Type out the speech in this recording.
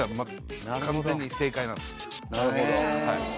なるほど。